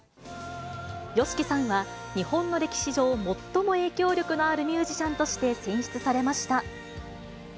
ＹＯＳＨＩＫＩさんは日本の歴史上、最も影響力のあるミュージシャンとして選出されました。